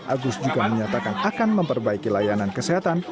agus juga menyatakan akan memperbaiki layanan kesehatan